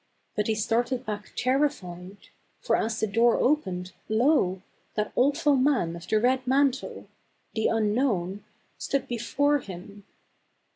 But he started back terrified; for as the door opened, lo ! that awful i man of the red mantle — the unknown^ — stood before him.